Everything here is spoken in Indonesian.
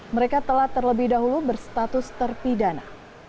mereka telah terlebih dahulu berstatus terpidana